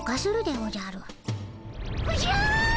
おじゃ！